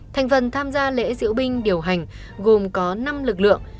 thành phần tham gia lễ diễu binh điều hành gồm có năm lực lượng